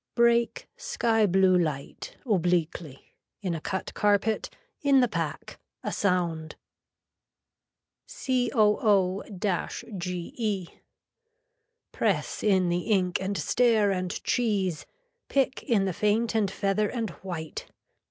Break, sky blue light, obliquely, in a cut carpet, in the pack. A sound. COO GE. Press in the ink and stare and cheese. Pick in the faint and feather and white.